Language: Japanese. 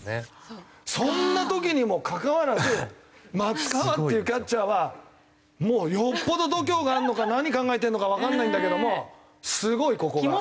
そんな時にもかかわらず松川っていうキャッチャーはもうよっぽど度胸があるのか何考えてるのかわかんないんだけどもすごいここが。